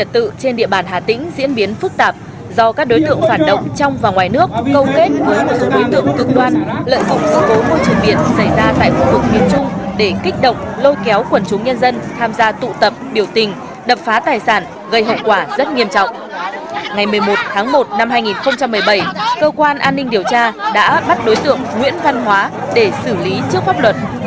một mươi một tháng một năm hai nghìn một mươi bảy cơ quan an ninh điều tra đã bắt đối tượng nguyễn văn hóa để xử lý trước pháp luật